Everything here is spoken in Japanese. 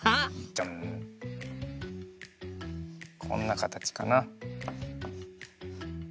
ジャンこんなかたちかな。